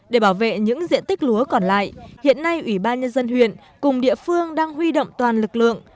để bảo vệ những diện tích lúa còn lại hiện nay ủy ban nhân dân huyện cùng địa phương đang huy động toàn lực lượng